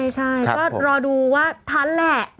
ใช่ก็รอดูว่าทันแหละ